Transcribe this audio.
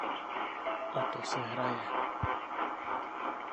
O to se hraje.